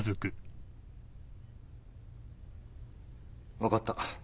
分かった。